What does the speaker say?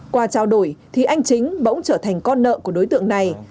qua trao đổi thì anh chính bỗng trở thành con nợ của đối tượng này